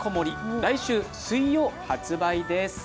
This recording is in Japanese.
来週水曜、発売です。